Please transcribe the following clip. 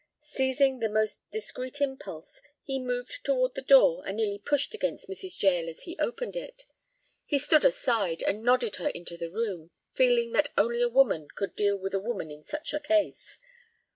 Seizing the most discreet impulse, he moved toward the door and nearly pushed against Mrs. Jael as he opened it. He stood aside, and nodded her into the room, feeling that only a woman could deal with a woman in such a case.